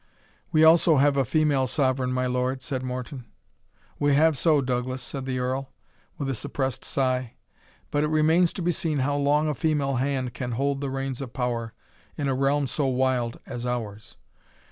"We also have a female Sovereign, my lord," said Morton. "We have so, Douglas," said the Earl, with a suppressed sigh; "but it remains to be seen how long a female hand can hold the reins of power in a realm so wild as ours.